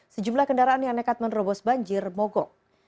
sejumlah kendaraan yang nekat menerobos banjir mogok